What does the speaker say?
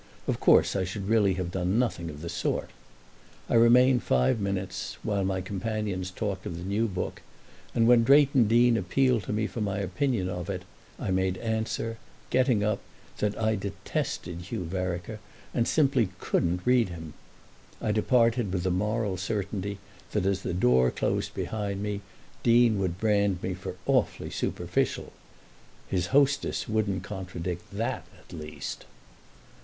Of course I should really have done nothing of the sort. I remained five minutes, while my companions talked of the new book, and when Drayton Deane appealed to me for my opinion of it I made answer, getting up, that I detested Hugh Vereker and simply couldn't read him. I departed with the moral certainty that as the door closed behind me Deane would brand me for awfully superficial. His hostess wouldn't contradict that at least.